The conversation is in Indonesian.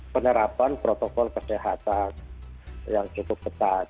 penerapan protokol kesehatan yang cukup ketat